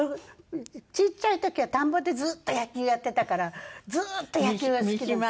ちっちゃい時は田んぼでずっと野球やってたからずーっと野球が好きなの。